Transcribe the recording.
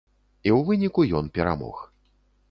І ў выніку ён перамог.